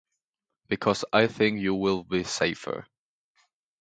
Because I think you would be safer.